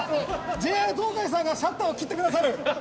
ＪＲ東海さんがシャッターを切ってくださる！